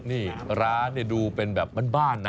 นี่ร้านเนี่ยดูเป็นแบบบ้านนะ